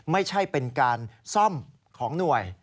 ไม่ใช่เป็นการซ่อมของหน่วย